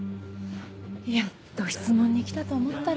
やっと質問に来たと思ったら。